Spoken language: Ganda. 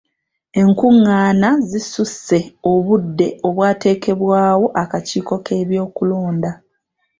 Enkungaana zisusse obudde obwateekebwawo akakiiko k'ebyokulonda.